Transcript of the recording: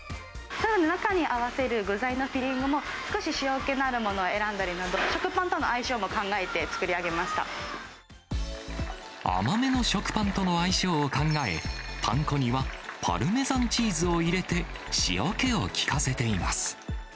中に合わせる具材のフィリングも少し塩気のあるものを選んだりなど、食パンとの相性も考えて甘めの食パンとの相性を考え、パン粉にはパルメザンチーズを入れて、塩気を利かせています。